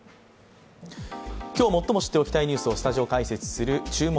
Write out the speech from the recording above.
今日、最も知っておきたいニュースをスタジオ解説する「注目！